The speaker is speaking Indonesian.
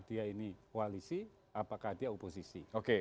dia ini koalisi apakah dia oposisi